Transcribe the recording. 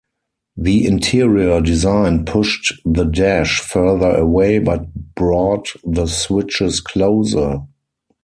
The interior design pushed the dash further away, but brought the switches closer.